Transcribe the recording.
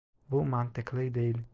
Bu mantıklı değil.